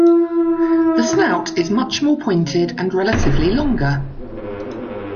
The snout is much more pointed and relatively longer.